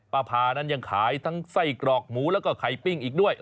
พานั้นยังขายทั้งไส้กรอกหมูแล้วก็ไข่ปิ้งอีกด้วย